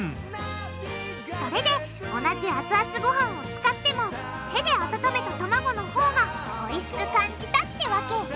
それで同じ熱々ごはんを使っても手で温めた卵のほうがおいしく感じたってわけ！